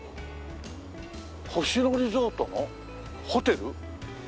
星野リゾートのホテル？